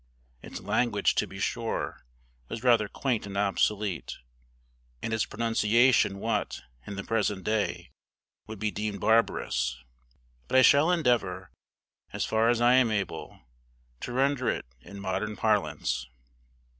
Its language, to be sure, was rather quaint and obsolete, and its pronunciation what, in the present day, would be deemed barbarous; but I shall endeavor, as far as I am able, to render it in modern parlance.